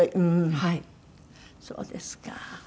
そうですか。